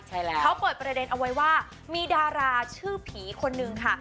ใช่แล้วเขาเปิดประเด็นเอาไว้ว่ามีดาราชื่อผีคนนึงค่ะ